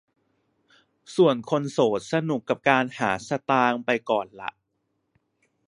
ส่วนคนโสดสนุกกับการหาสตางค์ไปก่อนล่ะ